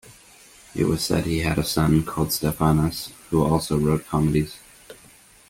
It was said he had a son, called Stephanus, who also wrote comedies.